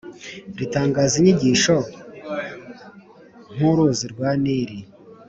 Ritangaza inyigisho nk’uruzi rwa Nili,